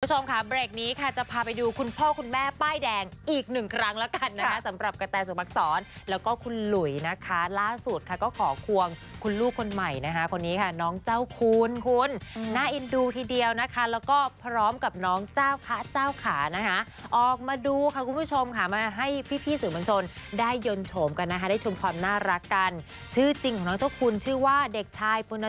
คุณผู้ชมค่ะเบรกนี้ค่ะจะพาไปดูคุณพ่อคุณแม่ป้ายแดงอีกหนึ่งครั้งแล้วกันนะฮะสำหรับกระแต่สุขมักสอนแล้วก็คุณหลุยนะคะล่าสุดค่ะก็ขอควงคุณลูกคนใหม่นะฮะคนนี้ค่ะน้องเจ้าคุณคุณน่าอินดูทีเดียวนะคะแล้วก็พร้อมกับน้องเจ้าค่ะเจ้าขานะฮะออกมาดูค่ะคุณผู้ชมค่ะมาให้พี่สื่อมันชนได้ย